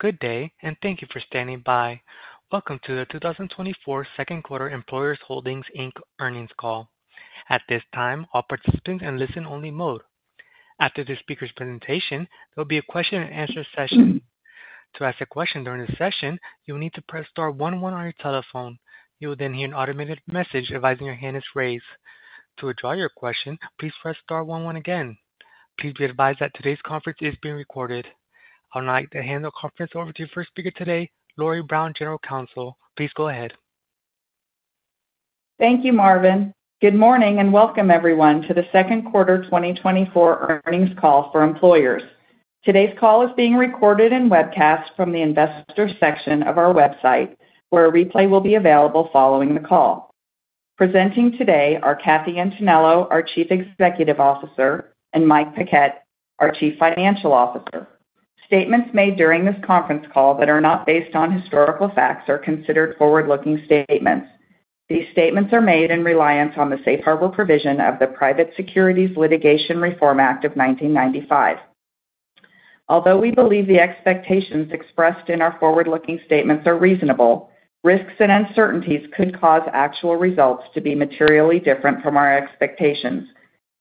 Good day, and thank you for standing by. Welcome to the 2024 Second Quarter Employers Holdings, Inc. earnings call. At this time, all participants are in listen-only mode. After this speaker's presentation, there will be a question-and-answer session. To ask a question during this session, you will need to press star 11 on your telephone. You will then hear an automated message advising your hand is raised. To withdraw your question, please press star 11 again. Please be advised that today's conference is being recorded. I would now like to hand the conference over to your first speaker today, Lori Brown, General Counsel. Please go ahead. Thank you, Marvin. Good morning and welcome, everyone, to the Second Quarter 2024 earnings call for Employers. Today's call is being recorded and webcast from the investor section of our website, where a replay will be available following the call. Presenting today are Kathy Antonello, our Chief Executive Officer, and Mike Paquette, our Chief Financial Officer. Statements made during this conference call that are not based on historical facts are considered forward-looking statements. These statements are made in reliance on the Safe Harbor provision of the Private Securities Litigation Reform Act of 1995. Although we believe the expectations expressed in our forward-looking statements are reasonable, risks and uncertainties could cause actual results to be materially different from our expectations,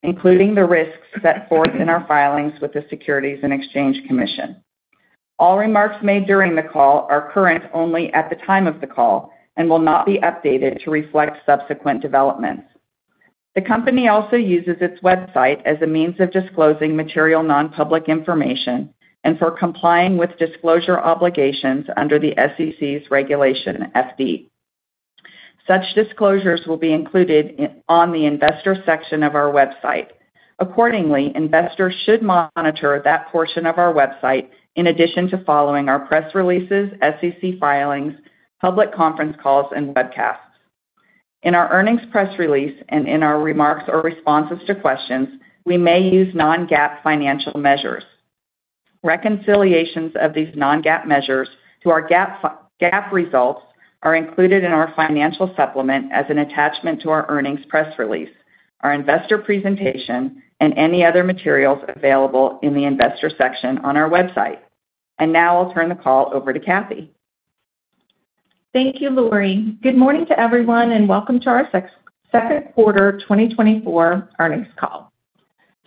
including the risks set forth in our filings with the Securities and Exchange Commission. All remarks made during the call are current only at the time of the call and will not be updated to reflect subsequent developments. The company also uses its website as a means of disclosing material nonpublic information and for complying with disclosure obligations under the SEC's Regulation FD. Such disclosures will be included on the investor section of our website. Accordingly, investors should monitor that portion of our website in addition to following our press releases, SEC filings, public conference calls, and webcasts. In our earnings press release and in our remarks or responses to questions, we may use non-GAAP financial measures. Reconciliations of these non-GAAP measures to our GAAP results are included in our financial supplement as an attachment to our earnings press release, our investor presentation, and any other materials available in the investor section on our website. And now I'll turn the call over to Kathy. Thank you, Lori. Good morning to everyone and welcome to our Second Quarter 2024 earnings call.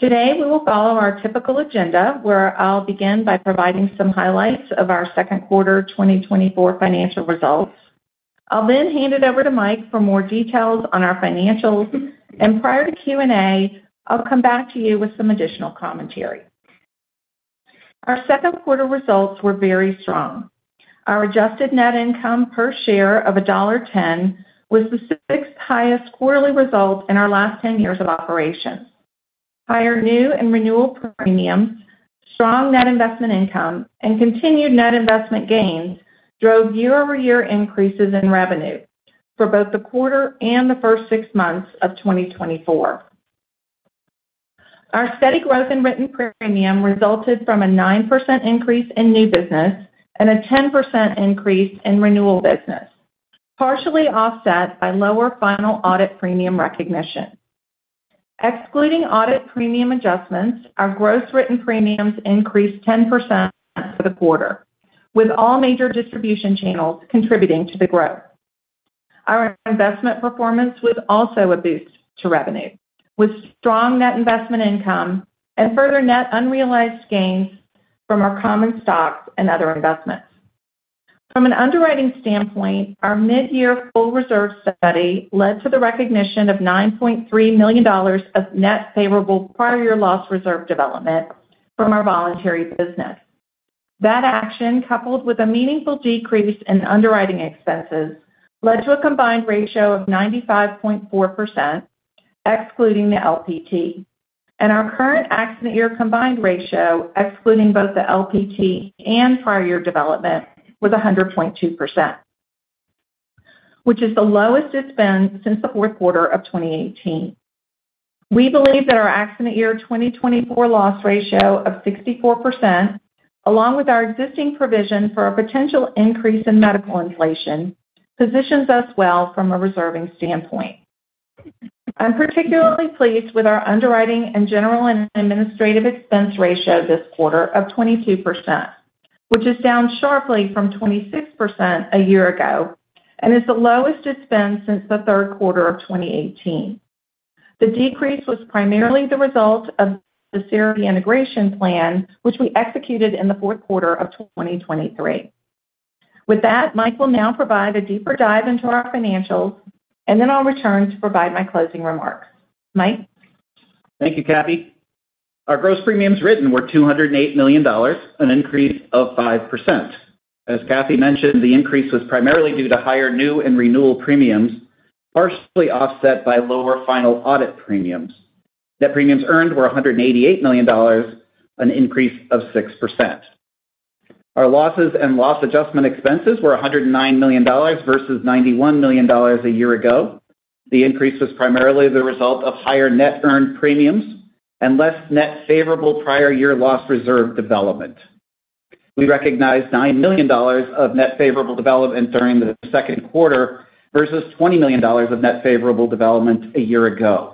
Today, we will follow our typical agenda, where I'll begin by providing some highlights of our Second Quarter 2024 financial results. I'll then hand it over to Mike for more details on our financials. Prior to Q&A, I'll come back to you with some additional commentary. Our Second Quarter results were very strong. Our adjusted net income per share of $1.10 was the sixth highest quarterly result in our last 10 years of operations. Higher new and renewal premiums, strong net investment income, and continued net investment gains drove year-over-year increases in revenue for both the quarter and the first six months of 2024. Our steady growth in written premium resulted from a 9% increase in new business and a 10% increase in renewal business, partially offset by lower final audit premium recognition. Excluding audit premium adjustments, our gross written premiums increased 10% for the quarter, with all major distribution channels contributing to the growth. Our investment performance was also a boost to revenue, with strong net investment income and further net unrealized gains from our common stocks and other investments. From an underwriting standpoint, our mid-year full reserve study led to the recognition of $9.3 million of net favorable prior-year loss reserve development from our voluntary business. That action, coupled with a meaningful decrease in underwriting expenses, led to a combined ratio of 95.4%, excluding the LPT. Our current accident year combined ratio, excluding both the LPT and prior-year development, was 100.2%, which is the lowest it's been since the fourth quarter of 2018. We believe that our accident year 2024 loss ratio of 64%, along with our existing provision for a potential increase in medical inflation, positions us well from a reserving standpoint. I'm particularly pleased with our underwriting and general and administrative expense ratio this quarter of 22%, which is down sharply from 26% a year ago and is the lowest it's been since the third quarter of 2018. The decrease was primarily the result of the Cerity integration plan, which we executed in the fourth quarter of 2023. With that, Mike will now provide a deeper dive into our financials, and then I'll return to provide my closing remarks. Mike. Thank you, Kathy. Our gross premiums written were $208 million, an increase of 5%. As Kathy mentioned, the increase was primarily due to higher new and renewal premiums, partially offset by lower final audit premiums. Net premiums earned were $188 million, an increase of 6%. Our losses and loss adjustment expenses were $109 million versus $91 million a year ago. The increase was primarily the result of higher net earned premiums and less net favorable prior-year loss reserve development. We recognized $9 million of net favorable development during the second quarter versus $20 million of net favorable development a year ago.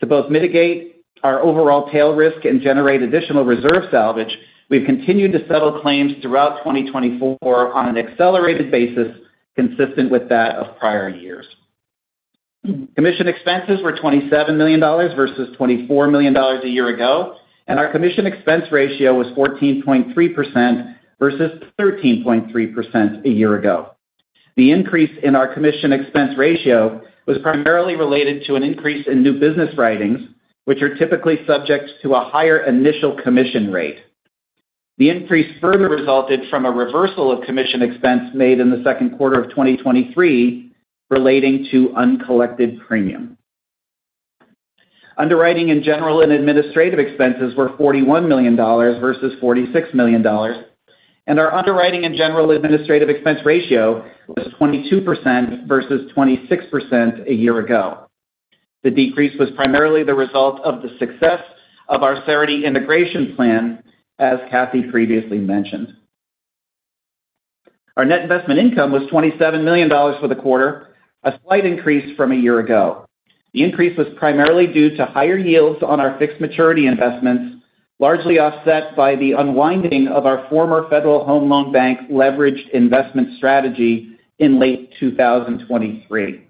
To both mitigate our overall tail risk and generate additional reserve salvage, we've continued to settle claims throughout 2024 on an accelerated basis consistent with that of prior years. Commission expenses were $27 million versus $24 million a year ago, and our commission expense ratio was 14.3% versus 13.3% a year ago. The increase in our commission expense ratio was primarily related to an increase in new business writings, which are typically subject to a higher initial commission rate. The increase further resulted from a reversal of commission expense made in the second quarter of 2023 relating to uncollected premium. Underwriting and general and administrative expenses were $41 million versus $46 million, and our underwriting and general administrative expense ratio was 22% versus 26% a year ago. The decrease was primarily the result of the success of our Cerity integration plan, as Kathy previously mentioned. Our net investment income was $27 million for the quarter, a slight increase from a year ago. The increase was primarily due to higher yields on our fixed maturity investments, largely offset by the unwinding of our former Federal Home Loan Bank leveraged investment strategy in late 2023.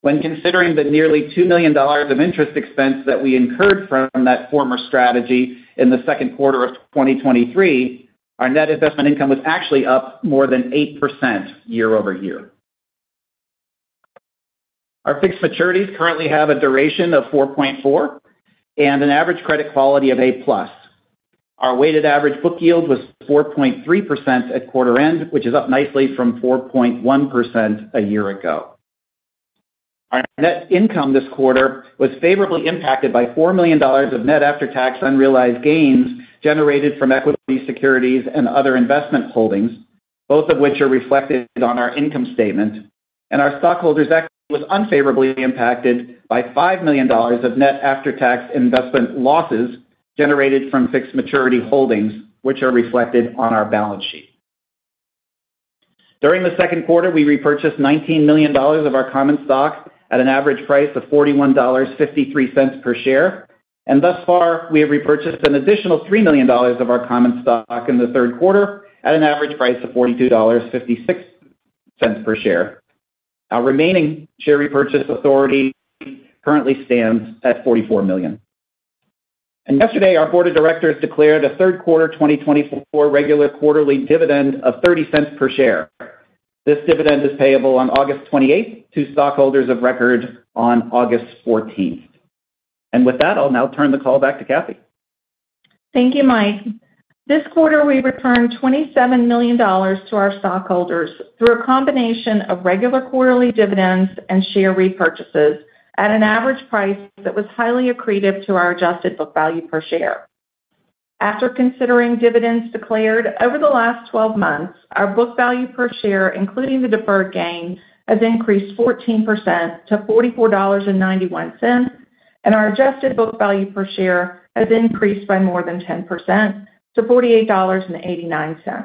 When considering the nearly $2 million of interest expense that we incurred from that former strategy in the second quarter of 2023, our net investment income was actually up more than 8% year-over-year. Our fixed maturities currently have a duration of 4.4 and an average credit quality of A-plus. Our weighted average book yield was 4.3% at quarter end, which is up nicely from 4.1% a year ago. Our net income this quarter was favorably impacted by $4 million of net after-tax unrealized gains generated from equity securities, and other investment holdings, both of which are reflected on our income statement. Our stockholders' equity was unfavorably impacted by $5 million of net after-tax investment losses generated from fixed maturity holdings, which are reflected on our balance sheet. During the second quarter, we repurchased $19 million of our common stock at an average price of $41.53 per share. Thus far, we have repurchased an additional $3 million of our common stock in the third quarter at an average price of $42.56 per share. Our remaining share repurchase authority currently stands at $44 million. Yesterday, our board of directors declared a third quarter 2024 regular quarterly dividend of $0.30 per share. This dividend is payable on August 28th to stockholders of record on August 14th. With that, I'll now turn the call back to Kathy. Thank you, Mike. This quarter, we returned $27 million to our stockholders through a combination of regular quarterly dividends and share repurchases at an average price that was highly accretive to our adjusted book value per share. After considering dividends declared over the last 12 months, our book value per share, including the deferred gain, has increased 14% to $44.91, and our adjusted book value per share has increased by more than 10% to $48.89.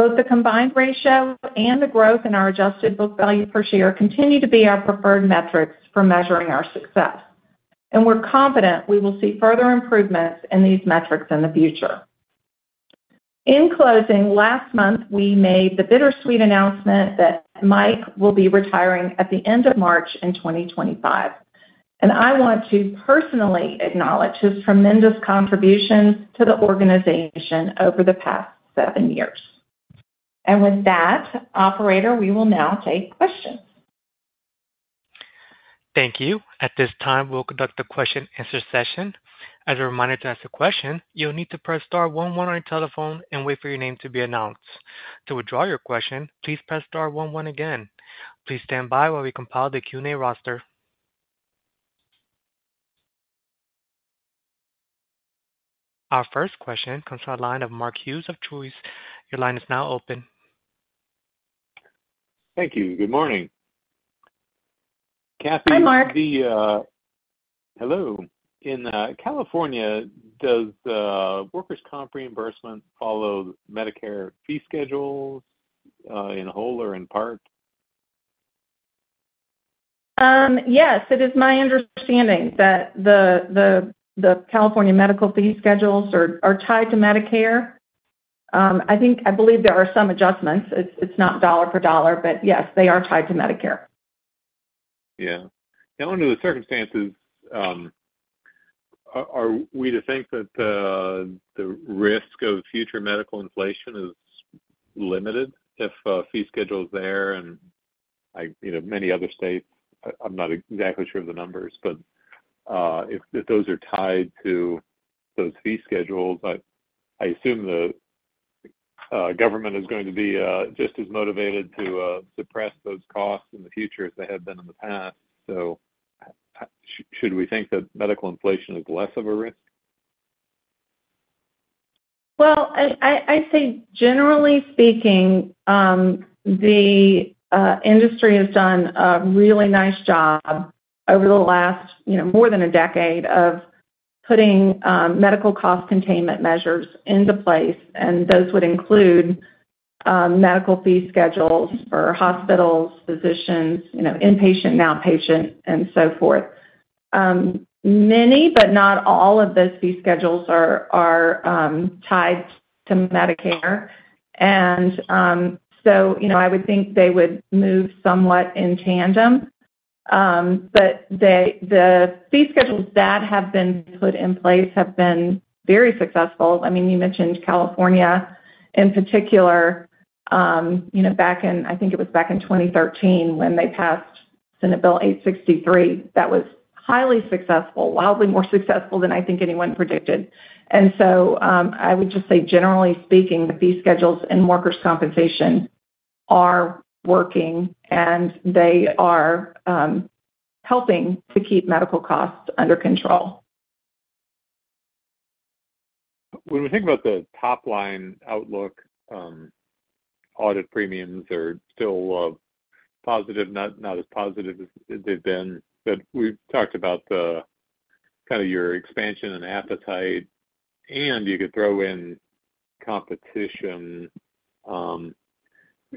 Both the combined ratio and the growth in our adjusted book value per share continue to be our preferred metrics for measuring our success. And we're confident we will see further improvements in these metrics in the future. In closing, last month, we made the bittersweet announcement that Mike will be retiring at the end of March in 2025. I want to personally acknowledge his tremendous contributions to the organization over the past seven years. With that, operator, we will now take questions. Thank you. At this time, we'll conduct the question-and-answer session. As a reminder to ask a question, you'll need to press star 11 on your telephone and wait for your name to be announced. To withdraw your question, please press star 11 again. Please stand by while we compile the Q&A roster. Our first question comes from the line of Mark Hughes of Truist. Your line is now open. Thank you. Good morning. Kathy. Hi, Mark. Hello. In California, does the workers' comp reimbursement follow Medicare fee schedules in whole or in part? Yes. It is my understanding that the California medical fee schedules are tied to Medicare. I believe there are some adjustments. It's not dollar for dollar, but yes, they are tied to Medicare. Given the circumstances, are we to think that the risk of future medical inflation is limited if fee schedules there and many other states? I'm not exactly sure of the numbers, but if those are tied to those fee schedules, I assume the government is going to be just as motivated to suppress those costs in the future as they have been in the past. So should we think that medical inflation is less of a risk? Well, I'd say, generally speaking, the industry has done a really nice job over the last more than a decade of putting medical cost containment measures into place. And those would include medical fee schedules for hospitals, physicians, inpatient and outpatient, and so forth. Many, but not all of those fee schedules are tied to Medicare. And so I would think they would move somewhat in tandem. But the fee schedules that have been put in place have been very successful. I mean, you mentioned California in particular back in, I think it was back in 2013 when they passed Senate Bill 863. That was highly successful, wildly more successful than I think anyone predicted. And so I would just say, generally speaking, the fee schedules and workers' compensation are working, and they are helping to keep medical costs under control. When we think about the top-line outlook, audit premiums are still positive, not as positive as they've been. But we've talked about kind of your expansion and appetite, and you could throw in competition.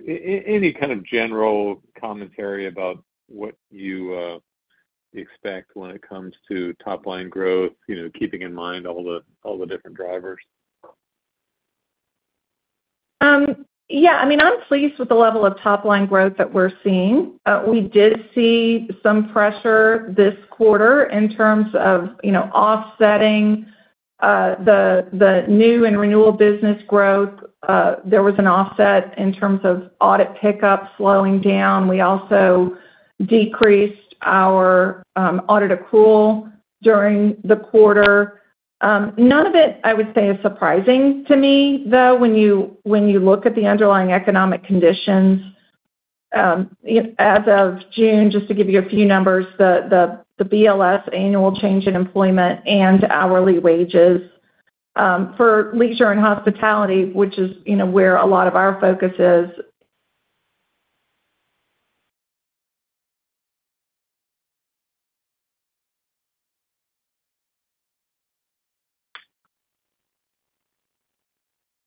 Any kind of general commentary about what you expect when it comes to top-line growth, keeping in mind all the different drivers? I mean, I'm pleased with the level of top-line growth that we're seeing. We did see some pressure this quarter in terms of offsetting the new and renewal business growth. There was an offset in terms of audit pickup slowing down. We also decreased our audit accrual during the quarter. None of it, I would say, is surprising to me, though. When you look at the underlying economic conditions, as of June, just to give you a few numbers, the BLS annual change in employment and hourly wages for leisure and hospitality, which is where a lot of our focus is.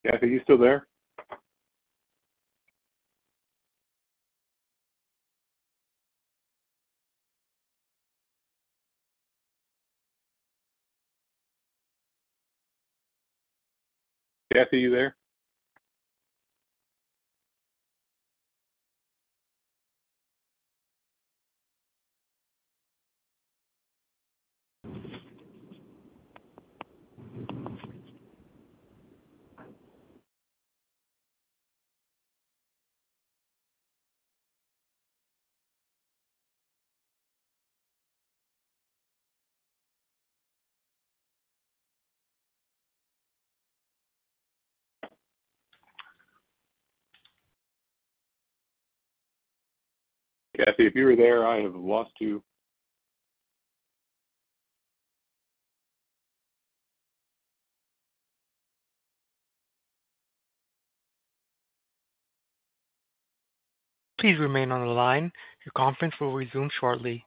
Kathy, are you still there? Kathy, are you there? Kathy, if you were there, I have lost you. Please remain on the line. Your conference will resume shortly.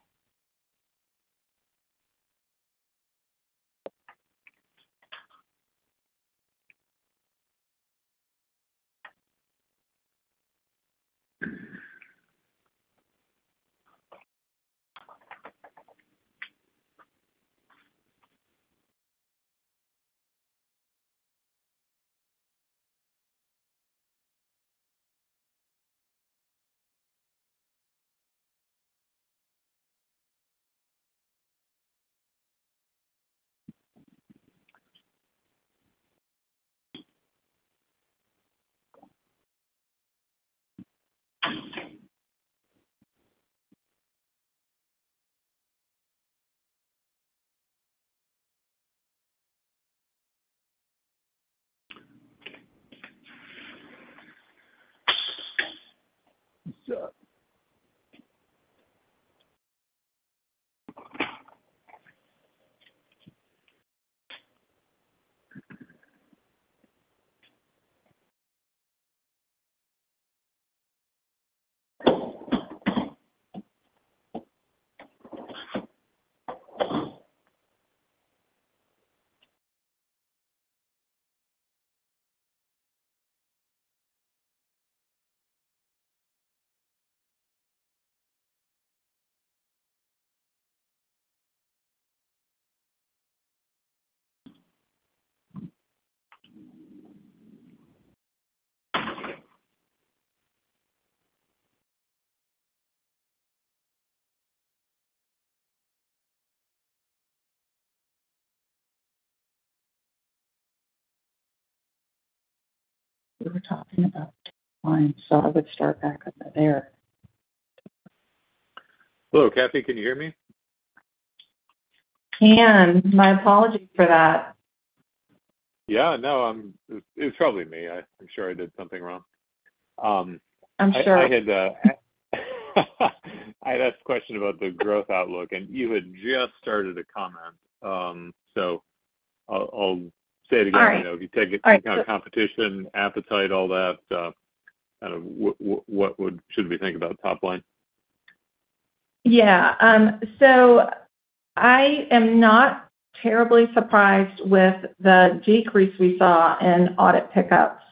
We were talking about. Fine. So I would start back up there. Hello, Kathy. Can you hear me? I can. My apologies for that. No, it's probably me. I'm sure I did something wrong. I'm sure. I had asked a question about the growth outlook, and you had just started a comment. So I'll say it again. If you take it, competition, appetite, all that, kind of what should we think about top-line? So I am not terribly surprised with the decrease we saw in audit pickups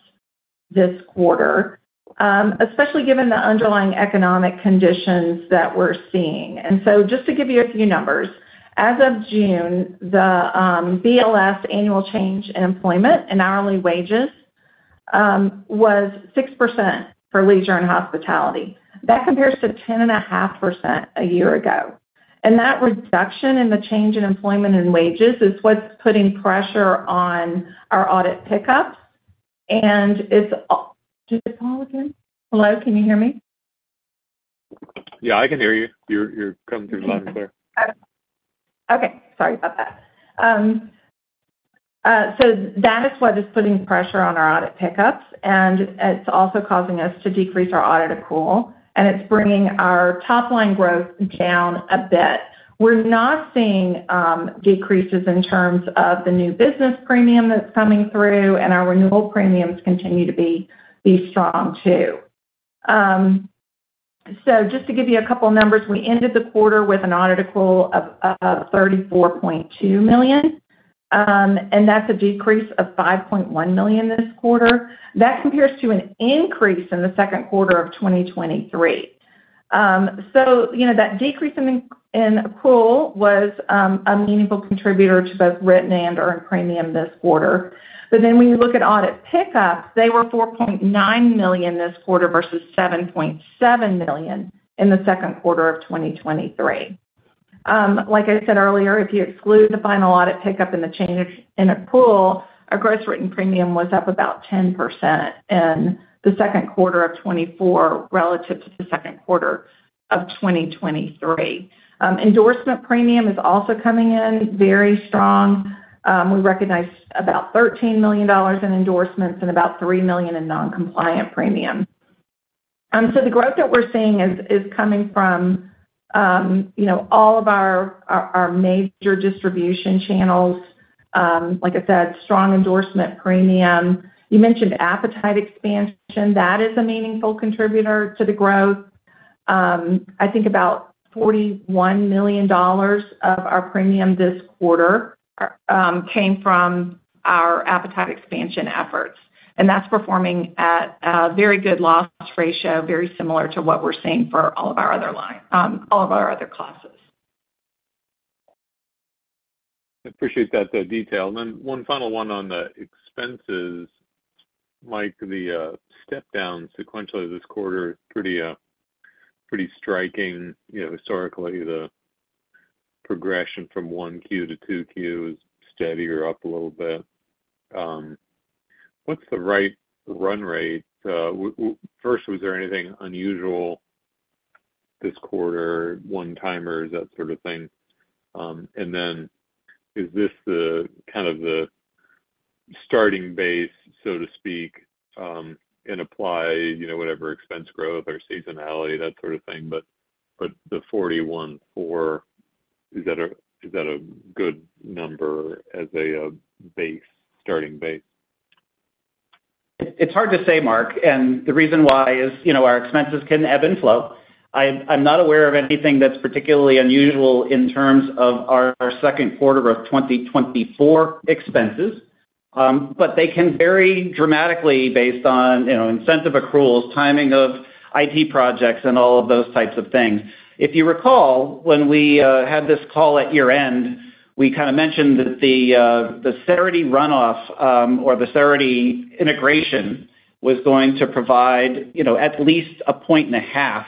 this quarter, especially given the underlying economic conditions that we're seeing. And so just to give you a few numbers, as of June, the BLS annual change in employment and hourly wages was 6% for leisure and hospitality. That compares to 10.5% a year ago. And that reduction in the change in employment and wages is what's putting pressure on our audit pickups. And it's—did it fall again? Hello. Can you hear me? I can hear you. You're coming through loud and clear. Okay. Sorry about that. So that is what is putting pressure on our audit pickups. And it's also causing us to decrease our audit accrual. And it's bringing our top-line growth down a bit. We're not seeing decreases in terms of the new business premium that's coming through, and our renewal premiums continue to be strong too. So just to give you a couple of numbers, we ended the quarter with an audit accrual of $34.2 million. And that's a decrease of $5.1 million this quarter. That compares to an increase in the second quarter of 2023. So that decrease in accrual was a meaningful contributor to both written and earned premium this quarter. But then when you look at audit pickups, they were $4.9 million this quarter versus $7.7 million in the second quarter of 2023. Like I said earlier, if you exclude the final audit pickup and the change in accrual, our gross written premium was up about 10% in the second quarter of 2024 relative to the second quarter of 2023. Endorsement premium is also coming in very strong. We recognize about $13 million in endorsements and about $3 million in non-compliant premium. So the growth that we're seeing is coming from all of our major distribution channels. Like I said, strong endorsement premium. You mentioned appetite expansion. That is a meaningful contributor to the growth. I think about $41 million of our premium this quarter came from our appetite expansion efforts. And that's performing at a very good loss ratio, very similar to what we're seeing for all of our other classes. I appreciate that detail. Then one final one on the expenses. Mike, the step-down sequentially this quarter is pretty striking. Historically, the progression from 1Q to 2Q is steadier up a little bit. What's the right run rate? First, was there anything unusual this quarter, one-timers, that sort of thing? And then is this kind of the starting base, so to speak, and apply whatever expense growth or seasonality, that sort of thing? But the $41.4, is that a good number as a starting base? It's hard to say, Mark. The reason why is our expenses can ebb and flow. I'm not aware of anything that's particularly unusual in terms of our second quarter of 2024 expenses. They can vary dramatically based on incentive accruals, timing of IT projects, and all of those types of things. If you recall, when we had this call at year-end, we kind of mentioned that the Cerity runoff or the Cerity integration was going to provide at least a point and a half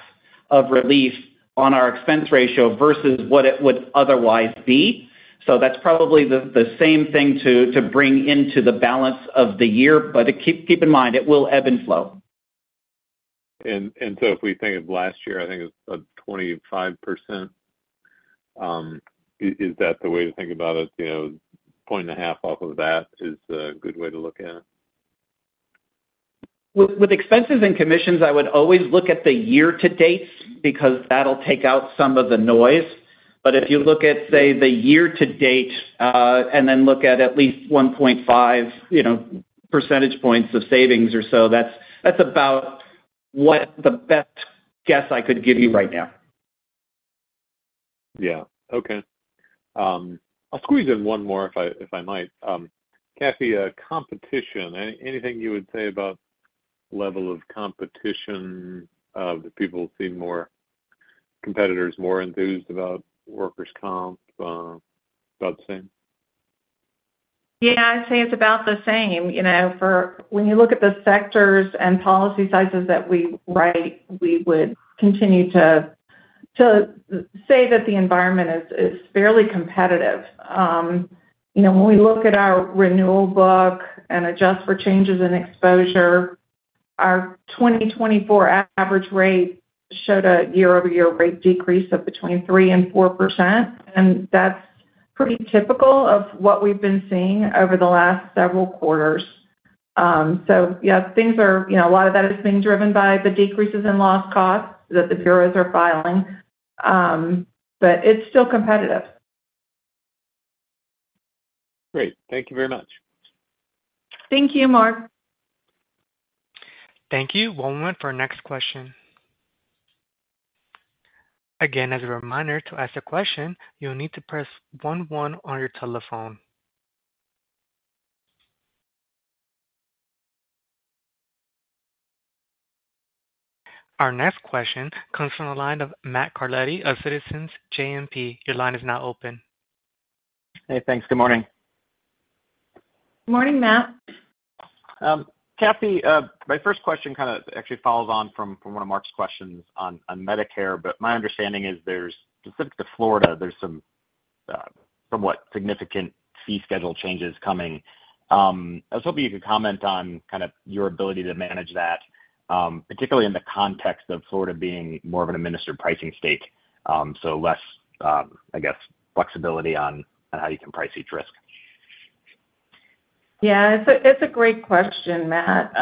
of relief on our expense ratio versus what it would otherwise be. That's probably the same thing to bring into the balance of the year. Keep in mind, it will ebb and flow. And so if we think of last year, I think it's a 25%. Is that the way to think about it? A point and a half off of that is a good way to look at it? With expenses and commissions, I would always look at the year-to-dates because that'll take out some of the noise. But if you look at, say, the year-to-date and then look at least 1.5 percentage points of savings or so, that's about what the best guess I could give you right now. Okay. I'll squeeze in one more if I might. Kathy, competition, anything you would say about the level of competition that people see more competitors more enthused about, workers' comp, about the same? I'd say it's about the same. When you look at the sectors and policy sizes that we write, we would continue to say that the environment is fairly competitive. When we look at our renewal book and adjust for changes in exposure, our 2024 average rate showed a year-over-year rate decrease of between 3% and 4%. And that's pretty typical of what we've been seeing over the last several quarters. So, things are a lot of that is being driven by the decreases in loss costs that the bureaus are filing. But it's still competitive. Great. Thank you very much. Thank you, Mark. Thank you. One moment for our next question. Again, as a reminder to ask a question, you'll need to press 11 on your telephone. Our next question comes from the line of Matt Carletti of Citizens JMP. Your line is now open. Hey, thanks. Good morning. Good morning, Matt. Kathy, my first question kind of actually follows on from one of Mark's questions on Medicare. But my understanding is specific to Florida. There's some somewhat significant fee schedule changes coming. I was hoping you could comment on kind of your ability to manage that, particularly in the context of Florida being more of an administered pricing state. So less, I guess, flexibility on how you can price each risk. It's a great question, Matt.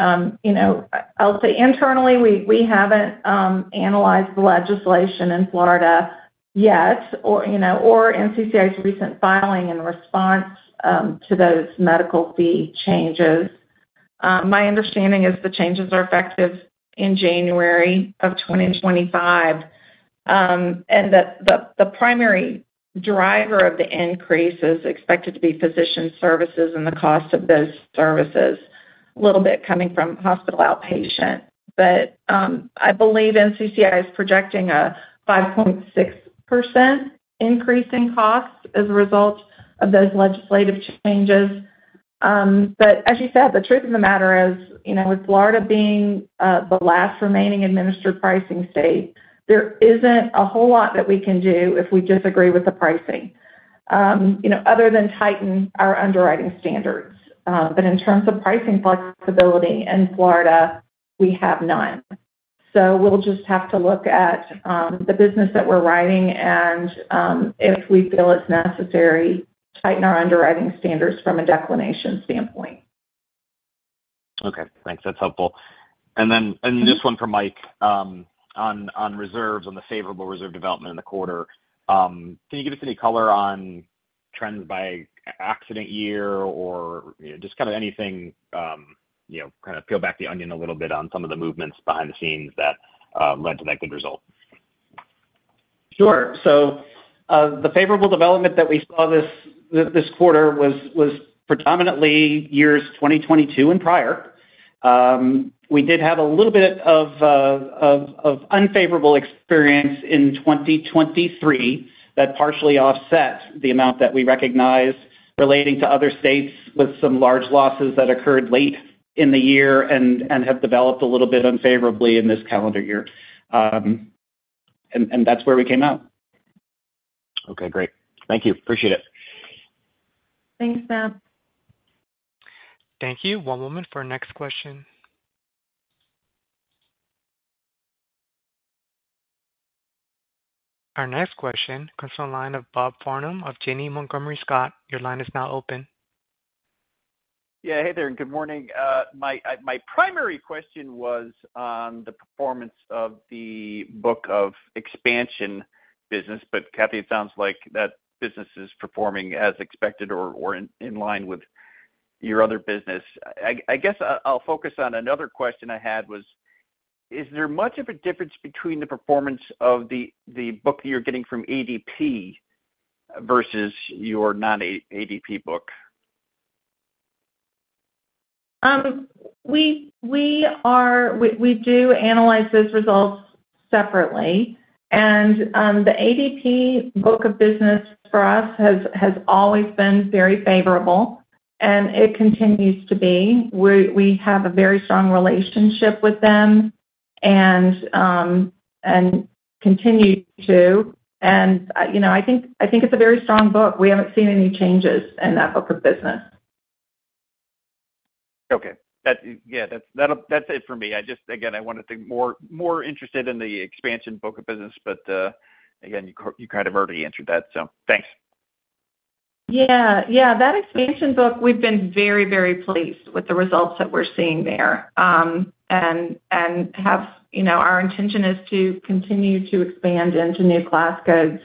I'll say internally, we haven't analyzed the legislation in Florida yet or NCCI's recent filing in response to those medical fee changes. My understanding is the changes are effective in January of 2025. The primary driver of the increase is expected to be physician services and the cost of those services, a little bit coming from hospital outpatient. I believe NCCI is projecting a 5.6% increase in costs as a result of those legislative changes. As you said, the truth of the matter is, with Florida being the last remaining administered pricing state, there isn't a whole lot that we can do if we disagree with the pricing other than tighten our underwriting standards. In terms of pricing flexibility in Florida, we have none. We'll just have to look at the business that we're writing and, if we feel it's necessary, tighten our underwriting standards from a declination standpoint. Okay. Thanks. That's helpful. And then just one for Mike on reserves, on the favorable reserve development in the quarter. Can you give us any color on trends by accident year or just kind of anything, kind of peel back the onion a little bit on some of the movements behind the scenes that led to that good result? Sure. So the favorable development that we saw this quarter was predominantly years 2022 and prior. We did have a little bit of unfavorable experience in 2023 that partially offset the amount that we recognized relating to other states with some large losses that occurred late in the year and have developed a little bit unfavorably in this calendar year. That's where we came out. Okay. Great. Thank you. Appreciate it. Thanks, Matt. Thank you. One moment for our next question. Our next question comes from the line of Bob Farnam of Janney Montgomery Scott. Your line is now open. Hey there. Good morning. My primary question was on the performance of the book of expansion business. But Kathy, it sounds like that business is performing as expected or in line with your other business. I guess I'll focus on another question I had was, is there much of a difference between the performance of the book that you're getting from ADP versus your non-ADP book? We do analyze those results separately. And the ADP book of business for us has always been very favorable, and it continues to be. We have a very strong relationship with them and continue to. And I think it's a very strong book. We haven't seen any changes in that book of business. Okay.That's it for me. Again, I want to say more interested in the expansion book of business. But again, you kind of already answered that. So thanks. That expansion book, we've been very, very pleased with the results that we're seeing there. And our intention is to continue to expand into new class codes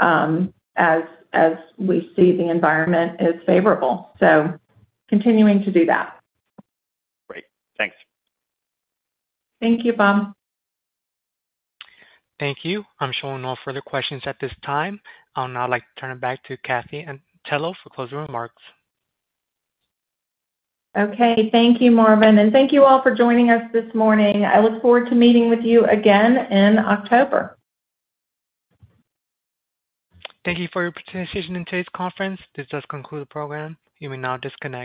as we see the environment is favorable. So continuing to do that. Great. Thanks. Thank you, Bob. Thank you. I'm showing no further questions at this time. I'll now like to turn it back to Kathy Antonello for closing remarks. Okay. Thank you, Marvin. Thank you all for joining us this morning. I look forward to meeting with you again in October. Thank you for your participation in today's conference. This does conclude the program. You may now disconnect.